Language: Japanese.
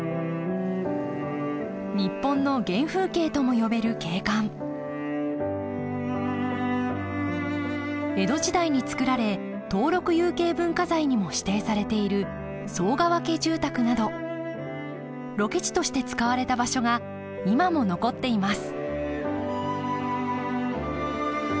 日本の原風景とも呼べる景観江戸時代につくられ登録有形文化財にも指定されている寒川家住宅などロケ地として使われた場所が今も残っています